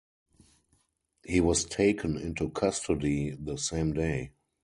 He was taken into custody the same day.